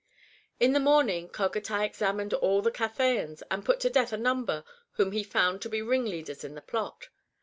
In the morninsf Cop"atai examined all the Cathayans, and put to death a number whom he found to be ringleaders in the plot.